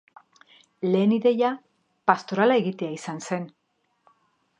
Lehen ideia pastorala egitea izan zen.